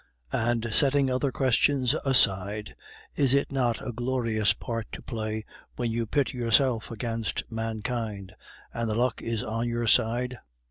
And, setting other questions aside, is it not a glorious part to play, when you pit yourself against mankind, and the luck is on your side?